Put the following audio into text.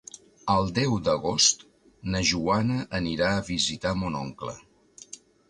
El deu d'agost na Joana anirà a visitar mon oncle.